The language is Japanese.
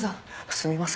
すみません。